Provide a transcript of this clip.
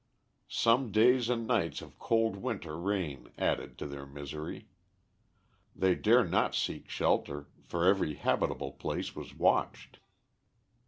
Some days and nights of cold winter rain added to their misery. They dare not seek shelter, for every habitable place was watched.